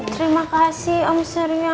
terima kasih om surya